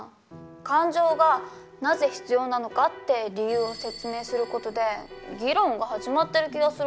感情がなぜ必要なのかって理由を説明する事で議論が始まってる気がするんだけど。